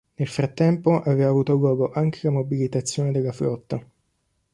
Nel frattempo aveva avuto luogo anche la mobilitazione della flotta.